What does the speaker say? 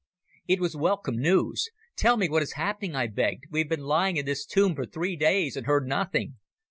It was welcome news. "Tell me what is happening," I begged; "we have been lying in this tomb for three days and heard nothing."